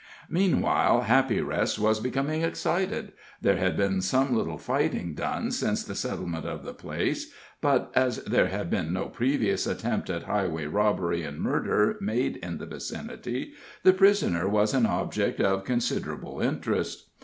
Meanwhile Happy Rest was becoming excited. There had been some little fighting done since the settlement of the place, but as there had been no previous attempt at highway robbery and murder made in the vicinity, the prisoner was an object of considerable interest.